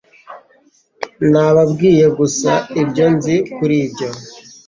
Nababwiye gusa ibyo nzi kuri ibyo.